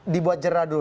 dibuat jerah dulu